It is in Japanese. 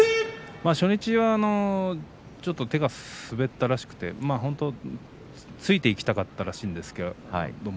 初日はちょっと手が滑ってらしくて突いていきたかったらしいんです。